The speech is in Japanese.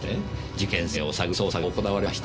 事件性を探る捜査が行われました。